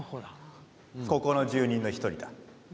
ここの住人の１人だ。